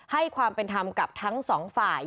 ให้ความเป็นทำกับทั้ง๒ฝ่าย